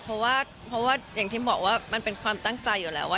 เพราะว่าอย่างที่บอกว่ามันเป็นความตั้งใจอยู่แล้วว่า